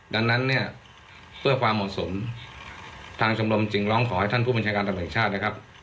ดังนั้นเนี่ยเพื่อความเหมาะสมทางชมรมจึงร้องขอให้ท่านผู้บัญชาการตำรวจแห่งชาตินะครับ